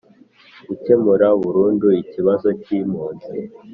gukemura burundu ikibazo cy'impunzi